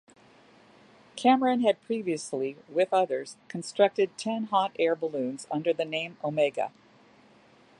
Cameron had previously, with others, constructed ten hot air balloons under the name Omega.